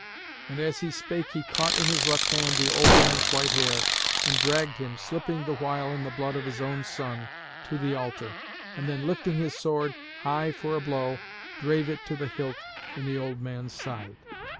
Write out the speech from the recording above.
And as he spake he caught in his left hand the old man's white hair, and dragged him, slipping the while in the blood of his own son, to the altar, and then, lifting his sword high for a blow, drave it to the hilt in the old man's side.